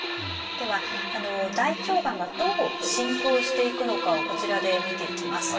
では大腸がんがどう進行していくのかをこちらで見ていきます。